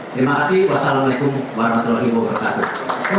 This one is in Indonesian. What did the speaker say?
terima kasih wassalamualaikum warahmatullahi wabarakatuh